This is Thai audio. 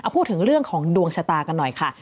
พูดถึงเรื่องของดวงชะตากันหน่อยค่ะ